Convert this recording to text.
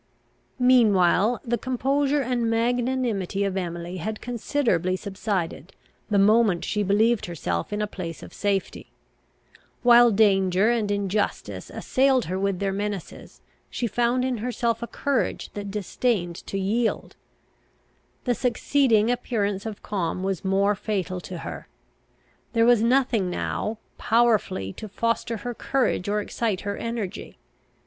Meanwhile, the composure and magnanimity of Emily had considerably subsided, the moment she believed herself in a place of safety. While danger and injustice assailed her with their menaces, she found in herself a courage that disdained to yield. The succeeding appearance of calm was more fatal to her. There was nothing now, powerfully to foster her courage or excite her energy.